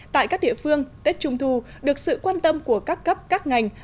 tại các địa phương tết trung thu được sự quan tâm của các cấp các ngành